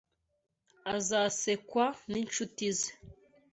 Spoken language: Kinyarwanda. Azasekwa ninshuti ze.